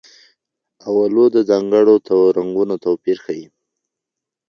اولو د ځانګړو رنګونو توپیر ښيي.